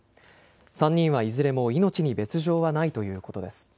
３人はいずれも命に別状はないということです。